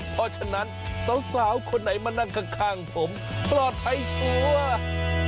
เพราะฉะนั้นสาวคนไหนมานั่งข้างผมปลอดภัยชัวร์